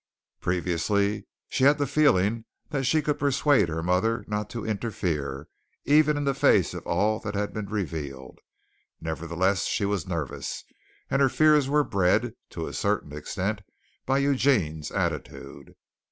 Previously she had the feeling that she could persuade her mother not to interfere, even in the face of all that had been revealed. Nevertheless, she was nervous, and her fears were bred to a certain extent by Eugene's attitude.